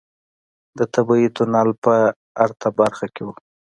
د طبيعي تونل په ارته برخه کې و.